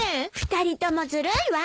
２人ともずるいわ！